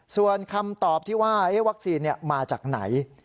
ส่วนคำตอบที่ว่าวัคซีนมาจากไหน